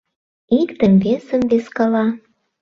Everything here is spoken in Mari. Иктым-весым вискала: